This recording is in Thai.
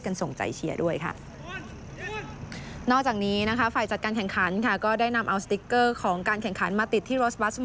กันส่งใจเชียร์ด้วยค่ะนอกจากนี้นะฝ่ายจัดการแข่งขั้นก็ได้นำเอานี่ของการแข่งขั้นมาติดที่